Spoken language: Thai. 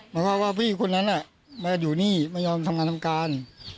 บอกว่าว่าพี่คนนั้นมาอยู่นี่ไม่ยอมทำงานทำการ